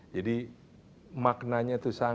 jadi maknanya tuh saya bilang